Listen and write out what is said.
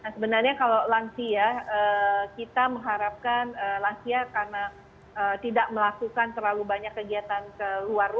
sebenarnya kalau lansia kita mengharapkan lansia karena tidak melakukan terlalu banyak kegiatan ke luar